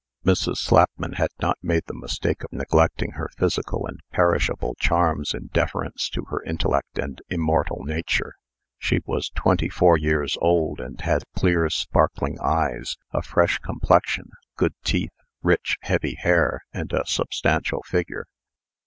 Mrs. Slapman had not made the mistake of neglecting her physical and perishable charms in deference to her intellectual and immortal nature. She was twenty four years old, and had clear, sparkling eyes, a fresh complexion, good teeth, rich, heavy hair, and a substantial figure.